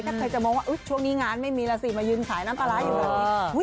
ถ้าใครจะมองว่าช่วงนี้งานไม่มีแล้วสิมายืนขายน้ำปลาร้าอยู่แบบนี้